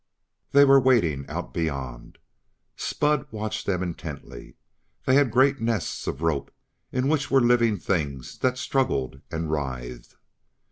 They were waiting out beyond; Spud watched them intently. They had great nets of rope in which were living things that struggled and writhed.